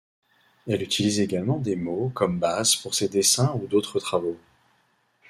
Elle utilise également des mots comme base pour ses dessins ou d'autres travaux.